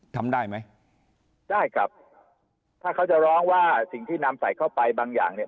ทำได้ไหมได้ครับถ้าเขาจะร้องว่าสิ่งที่นำใส่เข้าไปบางอย่างเนี่ย